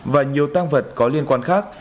và nhiều tăng vật có liên quan khác